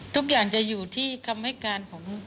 ทุกอย่างจะอยู่ที่คำให้การของ